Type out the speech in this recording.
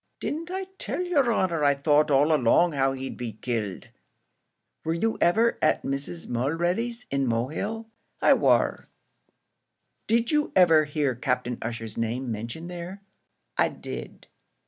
"Didn't I tell yer honour I thought all along how he'd be killed." "Were you ever at Mrs. Mulready's in Mohill?" "I war." "Did you ever hear Captain Ussher's name mentioned there?" "I did."